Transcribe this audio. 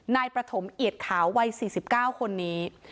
นายประถมเอียดขาววัย๔๙คนนี้